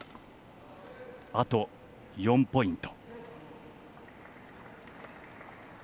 あと４ポイント。